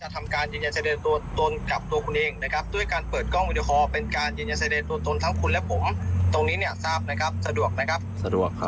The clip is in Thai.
เธอจะจริงกับพี่เอ้าผู้หมวดเอ้าผู้หมวดผู้หมวด